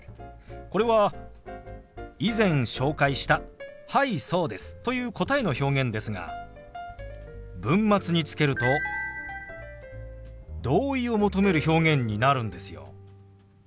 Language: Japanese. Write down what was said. これは以前紹介した「はいそうです」という答えの表現ですが文末につけると同意を求める表現になるんですよ。